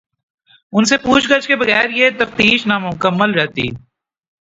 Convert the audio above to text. ان سے پوچھ گچھ کے بغیر یہ تفتیش نامکمل رہتی۔